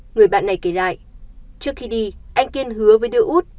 người bạn này kể lại trước khi đi anh kiên hứa với đỡ út